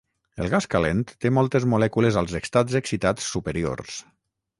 El gas calent té moltes molècules als estats excitats superiors.